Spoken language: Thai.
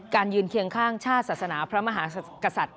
ยืนเคียงข้างชาติศาสนาพระมหากษัตริย